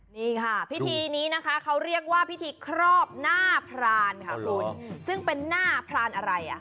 นี่ค่ะพิธีนี้นะคะเขาเรียกว่าพิธีครอบหน้าพรานค่ะคุณซึ่งเป็นหน้าพรานอะไรอ่ะ